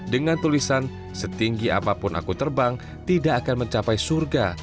dengan tulisan setinggi apapun aku terbang tidak akan mencapai surga